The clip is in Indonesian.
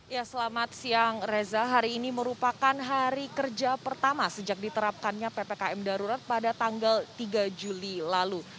ya selamat siang reza hari ini merupakan hari kerja pertama sejak diterapkannya ppkm darurat pada tanggal tiga juli lalu